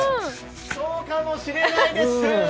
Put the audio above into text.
そうかもしれないです。